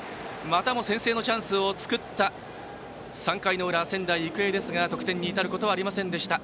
またも先制のチャンスを作った３回裏の仙台育英ですが得点に至ることはありませんでした。